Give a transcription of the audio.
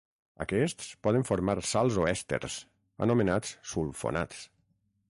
Aquests poden formar sals o èsters, anomenats sulfonats.